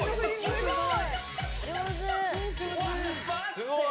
すごい。